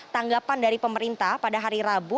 tanggapan dari pemerintah pada hari rabu